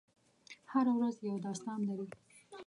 هره ورځ یو داستان لري.